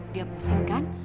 dia pusing kan